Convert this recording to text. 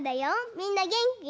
みんなげんき？